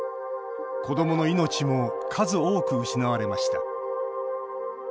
子どもの命も数多く失われました。